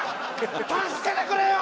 助けてくれよ！